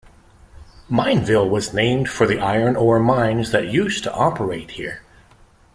Mineville was named for the iron ore mines that used to operate here.